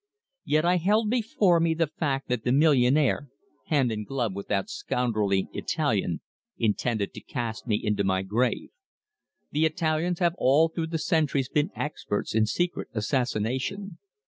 Yet I held before me the fact that the millionaire, hand in glove with that scoundrelly Italian, intended to cast me into my grave. The Italians have all through the centuries been experts in secret assassination.